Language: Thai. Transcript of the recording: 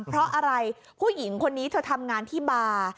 เพราะอะไรผู้หญิงคนนี้เธอทำงานที่บาร์